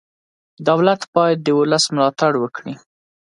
دولت باید د ولس ملاتړ وکړي.